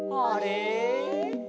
「あれ？」